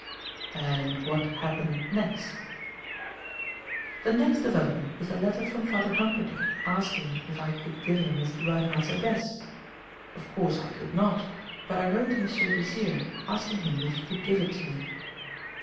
"And what happened next?" "The next development was a letter from Father Humperdinck asking if I could give him Mr. Reinhardt's address. Of course I could not, but I wrote to M. Desire asking him if he could give it to me.